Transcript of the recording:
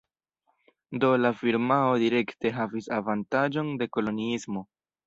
Do la firmao direkte havis avantaĝon de koloniismo.